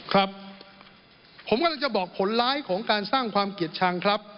ครับผมกำลังจะบอกผลร้ายของการสร้างความเกลียดชังครับ